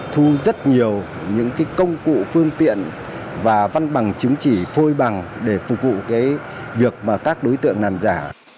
thu rất nhiều những công cụ phương tiện và văn bằng chứng chỉ phôi bằng để phục vụ việc mà các đối tượng làm giả